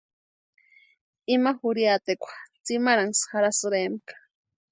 Ima jurhiatekwa tsimarhanksï jarhasïrempka.